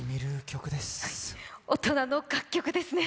大人の楽曲ですね。